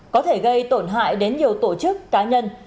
có thể gây tổn hại đến nhiều tổ chức cá nhân